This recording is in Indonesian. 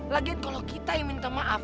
lagian kalau kita yang minta maaf